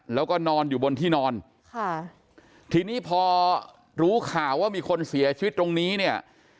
แล้วก็นอนอยู่บนที่นอนค่ะทีนี้พอรู้ข่าวว่ามีคนเสียชีวิตตรงนี้เนี่ย